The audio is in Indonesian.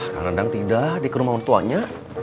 kang dadang tidak di rumah orang tuanya